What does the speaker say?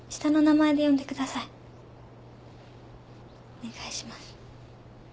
お願いします。